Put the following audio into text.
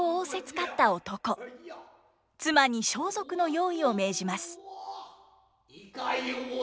妻に装束の用意を命じます。